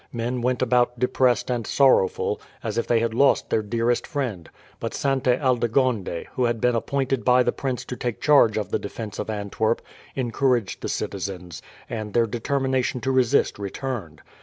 Men went about depressed and sorrowful, as if they had lost their dearest friend; but Sainte Aldegonde, who had been appointed by the prince to take charge of the defence of Antwerp, encouraged the citizens, and their determination to resist returned.